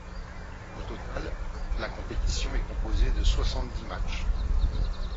Au total, la compétition est composée de soixante-dix matchs.